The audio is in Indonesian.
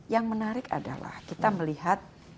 yang menarik adalah kita melihat